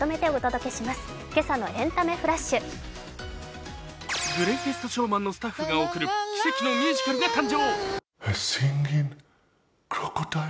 「けさのエンタメフラッシュ」「グレイテスト・ショーマン」のスタッフが送る奇跡のミュージカルが誕生。